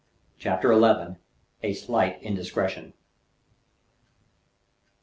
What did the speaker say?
CHAPTER XI. A SLIGHT INDISCRETION.